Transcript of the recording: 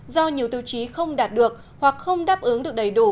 do nhiều tiêu chí không đạt được hoặc không đáp ứng được đầy đủ